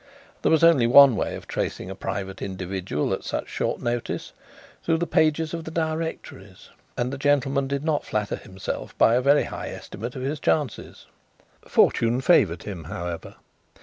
There was only one way of tracing a private individual at such short notice through the pages of the directories, and the gentleman did not flatter himself by a very high estimate of his chances. Fortune favoured him, however.